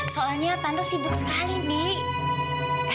soalnya tante sibuk sekali nih